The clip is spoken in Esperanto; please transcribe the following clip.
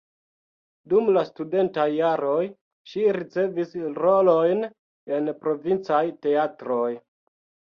Dum la studentaj jaroj ŝi ricevis rolojn en provincaj teatroj.